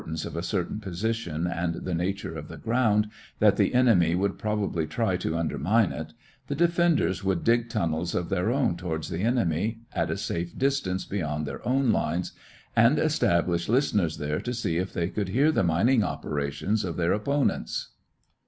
If it were suspected, from the importance of a certain position and the nature of the ground, that the enemy would probably try to undermine it, the defenders would dig tunnels of their own toward the enemy at a safe distance beyond their own lines and establish listeners there to see if they could hear the mining operations of their opponents.